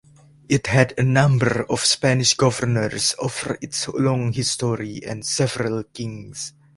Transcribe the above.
It had a number of Spanish governors over its long history and several kings.